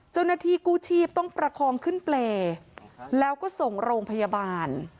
เจ้าหน้าที่กู้ชีพต้องประคองขึ้นเปรย์แล้วก็ส่งโรงพยาบาล